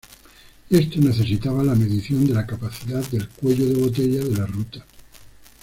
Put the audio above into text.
Esto necesitaba la medición de la capacidad del cuello de botella de la ruta.